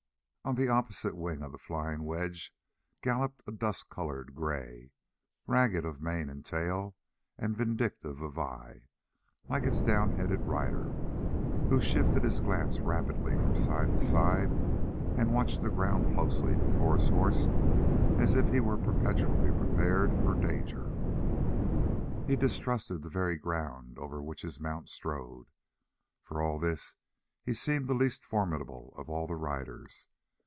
On the opposite wing of the flying wedge galloped a dust colored gray, ragged of mane and tail, and vindictive of eye, like its down headed rider, who shifted his glance rapidly from side to side and watched the ground closely before his horse as if he were perpetually prepared for danger. He distrusted the very ground over which his mount strode. For all this he seemed the least formidable of all the riders.